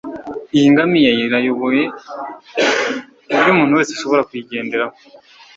Iyi ngamiya irayobowe kuburyo umuntu wese ashobora kuyigenderaho